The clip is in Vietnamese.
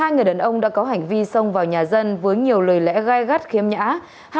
hai người đàn ông đã có hành vi xông vào nhà dân với nhiều lời lẽ gai gắt khiêm nhã